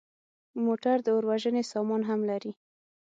موټر د اور وژنې سامان هم لري.